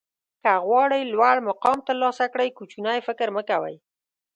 که غواړئ لوړ مقام ترلاسه کړئ کوچنی فکر مه کوئ.